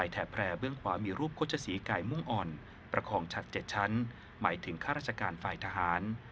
แถบแพร่เบื้องขวามีรูปโฆษศรีไก่มุ่งอ่อนประคองชัด๗ชั้นหมายถึงข้าราชการฝ่ายทหาร